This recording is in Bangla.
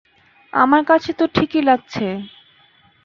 আমার কাছে তো ঠিকই লাগছে।